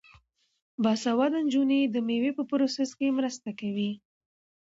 باسواده نجونې د میوو په پروسس کې مرسته کوي.